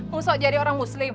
musuh jadi orang muslim